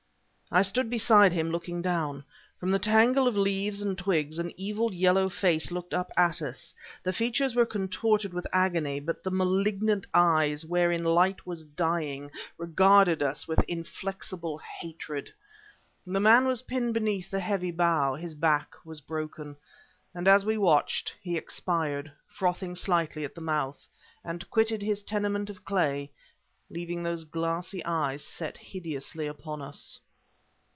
I stood beside him, looking down. From the tangle of leaves and twigs an evil yellow face looked up at us. The features were contorted with agony, but the malignant eyes, wherein light was dying, regarded us with inflexible hatred. The man was pinned beneath the heavy bough; his back was broken; and as we watched, he expired, frothing slightly at the mouth, and quitted his tenement of clay, leaving those glassy eyes set hideously upon us.